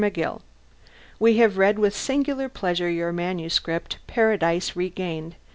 McGILL: We have read with singular pleasure your manuscript "Paradise Regained."